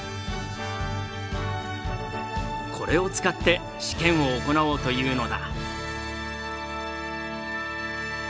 これを使って試験を行おうというのだ。